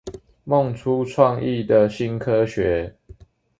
夢出創意的新科學